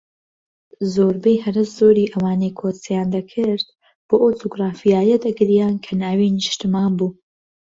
زۆربەی هەرە زۆری ئەوانەی کۆچیان دەکرد بۆ ئەو جوگرافیایە دەگریان کە ناوی نیشتمان بوو